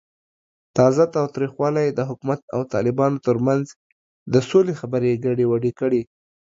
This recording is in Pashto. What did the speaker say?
تازه تاوتریخوالی د حکومت او طالبانو ترمنځ د سولې خبرې ګډوډې کړې.